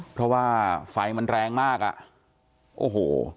เพราะว่าไฟมันแรงมากอ่ะโอ้โห